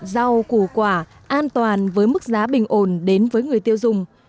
rau củ quả an toàn với mức giá bình ổn đến với người tiêu dùng